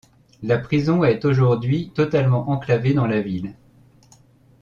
La prison est aujourd'hui totalement enclavée dans la ville.